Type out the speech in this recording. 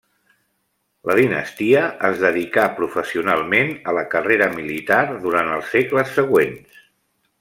La dinastia es dedicà professionalment a la carrera militar durant els segles següents.